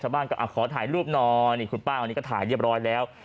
ชาวบ้านก็อ่ะขอถ่ายรูปหน่อคุณป้านอันนี้ก็ถ่ายเรียบร้อยแล้ว